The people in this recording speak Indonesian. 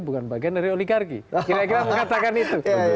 bukan bagian dari oligarki kira kira mengatakan itu